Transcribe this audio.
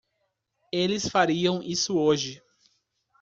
Eles fariam isso hoje.